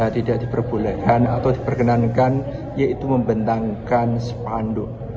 tidak diperbolehkan atau diperkenankan yaitu membentangkan sepanduk